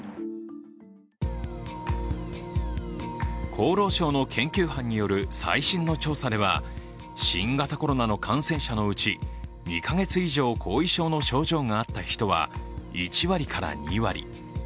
厚労省の研究班による最新の調査では新型コロナの感染者のうち２か月以上後遺症の症状があった人は１割から２割。